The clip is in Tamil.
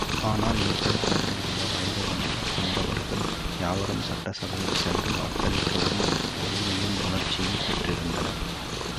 ஆனால், ஏதன்ஸ் நகரில் உள்ள வயது வந்தவர்கள் யாவரும், சட்டசபையில் சென்று வாக்களிக்கும் உரிமையும், உணர்ச்சியும் பெற்றிருந்தனர்.